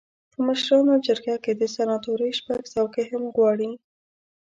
په مشرانو جرګه کې د سناتورۍ شپږ څوکۍ هم غواړي.